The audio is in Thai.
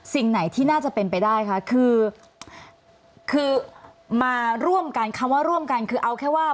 สิ่งไหนที่น่าจะเป็นไปได้คะคือคือมาร่วมกันคำว่าร่วมกันคือเอาแค่ว่า